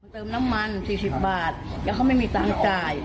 เติมน้ำมัน๔๐บาทแล้วเขาไม่มีตังค์จ่าย